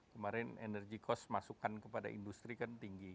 kemarin energy cost masukan kepada industri kan tinggi